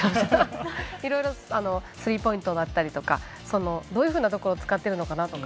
いろいろスリーポイントだったりどういうふうなところを使ってるのかなとか